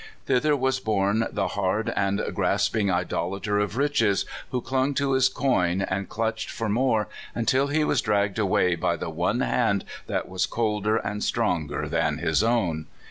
Thither was borne the hard and grasping idolater of riches, who clung to his coin, and clutched for more, until he was dragged away 84 CALIFORNIA SKETCHES. by the one hand that was colder and stronger than his own.